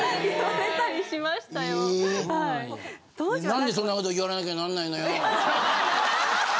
なんでそんなこと言われなきゃなんないのよ。